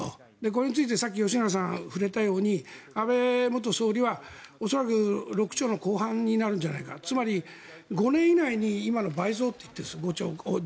これについてさっき吉永さんが触れたように安倍元総理は恐らく６兆後半になるんじゃないかつまり５年以内に今の倍増と言っているんです。